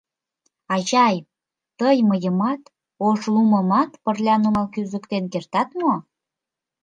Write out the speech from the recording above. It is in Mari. — Ачай, тый мыйымат, Ошлумымат пырля нумал кӱзыктен кертат мо?